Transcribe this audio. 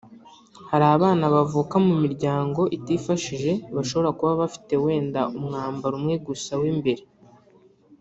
hari abana bavuka mu miryango itifashije bashobora kuba bafite wenda umwambaro umwe gusa w’imbere